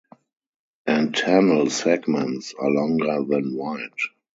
Antennal segments are longer than wide.